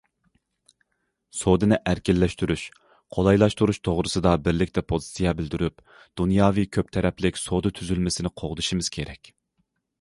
سودىنى ئەركىنلەشتۈرۈش، قولايلاشتۇرۇش توغرىسىدا بىرلىكتە پوزىتسىيە بىلدۈرۈپ، دۇنياۋى كۆپ تەرەپلىك سودا تۈزۈلمىسىنى قوغدىشىمىز كېرەك.